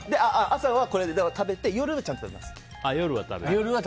朝はこれを食べて夜はちゃんと食べます。